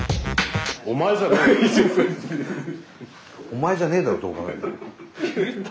・お前じゃねえだろどう考えても。